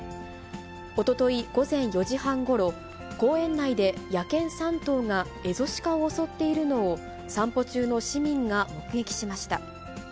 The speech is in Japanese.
おととい午前４時半ごろ、公園内で野犬３頭がエゾシカを襲っているのを、散歩中の市民が目撃しました。